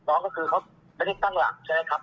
น้องก็คือเขาไม่ได้ตั้งหลักใช่ไหมครับ